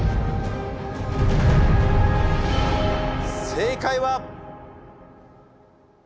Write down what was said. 正解は。